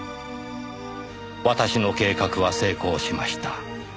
「私の計画は成功しました」